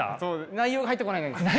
内容は入ってこないです。